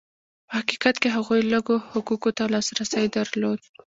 په حقیقت کې هغوی لږو حقوقو ته لاسرسی درلود.